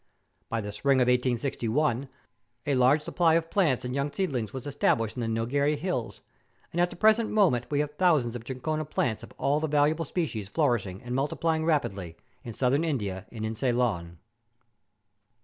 By the spring of 1861, a large supply of plants and young seedlings was established in the Neil gherry hills; and at the present moment we have thousands of chinchona plants of all the valuable 312 MOUNTAIN ADVENTURES. species flourishing and multiplying rapidly in Southern India and in Ceylon.